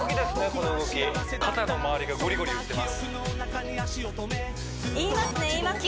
この動き肩のまわりがゴリゴリいってます